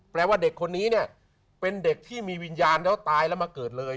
ว่าเด็กคนนี้เนี่ยเป็นเด็กที่มีวิญญาณแล้วตายแล้วมาเกิดเลย